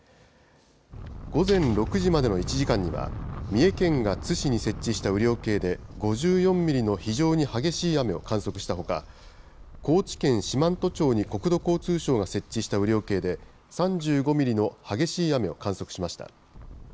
午前６時までの１時間には、三重県が津市に設置した雨量計で５４ミリの非常に激しい雨を観測したほか、高知県四万十町に国土交通省が設置した雨量計で、３５ミリの激しい雨を観測しました。